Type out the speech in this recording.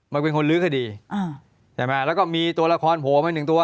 มันเป็นคนลื้อคดีอ่าใช่ไหมแล้วก็มีตัวละครโผล่มาหนึ่งตัว